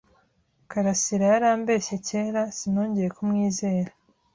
karasira yarambeshye kera, sinongeye kumwizera.